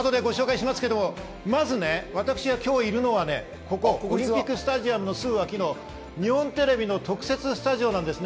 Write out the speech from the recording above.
まず私が今日いるのはオリンピックスタジアムのすぐ脇の日本テレビの特設スタジオなんです。